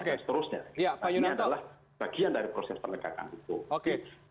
dan seterusnya ini adalah bagian dari proses penegakan hukum